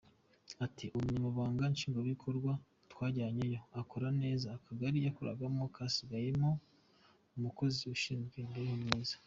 Ati “Uwo Munyamabanga Nshingwabikorwa twajyanyeyo akora neza, akagari yakoragamo kasigayemo umukozi ushinzwe imibereho myiza.